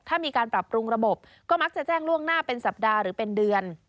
ถ้ามีการปรับปรุงระบบก็มักจะแจ้งล่วงหน้าเป็นสัปดาห์หรือเป็นเดือน